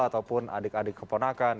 ataupun adik adik keponakan